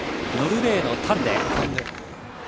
ノルウェーのタンデ。